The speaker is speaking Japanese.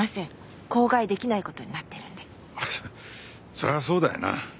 そりゃそうだよな。